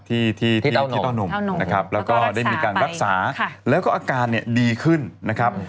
ที่ที่เต้านุ่มนะครับแล้วก็ได้มีการรักษาแล้วก็อาการเนี่ยดีขึ้นนะครับ